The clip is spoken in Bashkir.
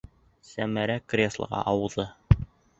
- Сәмәрә креслоға ауҙы.